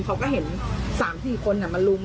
เขาก็เห็น๓๔คนมาลุม